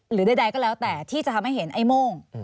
หรือใดก็แล้วแต่ที่จะทำให้เห็นไอ้โม่ง